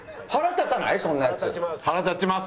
「腹立ちます」。